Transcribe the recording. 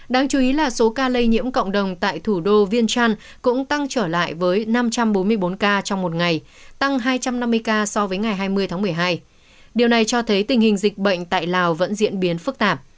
đáng chú ý là số ca lây nhiễm cộng đồng tại thủ đô vientiane cũng tăng trở lại với năm trăm bốn mươi bốn ca